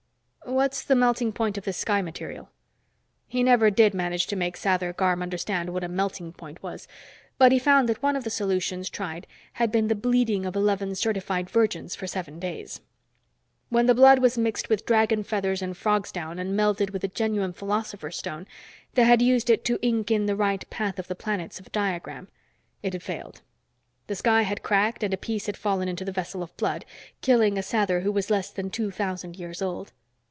"What's the melting point of this sky material?" He never did manage to make Sather Garm understand what a melting point was. But he found that one of the solutions tried had been the bleeding of eleven certified virgins for seven days. When the blood was mixed with dragonfeathers and frogsdown and melded with a genuine philosopher's stone, they had used it to ink in the right path of the planets of a diagram. It had failed. The sky had cracked and a piece had fallen into the vessel of blood, killing a Sather who was less than two thousand years old.